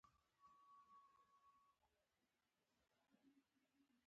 دوی د سیمې د ثبات مخه نیسي